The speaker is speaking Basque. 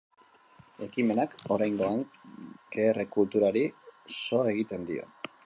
Ekimenak oraingoan queer kulturari so egiten dio.